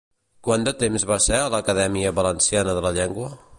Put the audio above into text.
Quant de temps va ser a l'Acadèmia Valenciana de la Llengua?